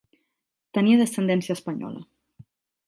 Tenia descendència espanyola.